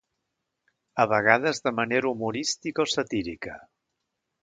A vegades de manera humorística o satírica.